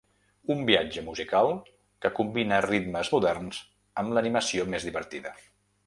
Un viatge musical que combina ritmes moderns amb l’animació més divertida.